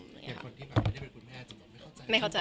เห็นคนที่เป็นคุณแม่จะไม่เข้าใจ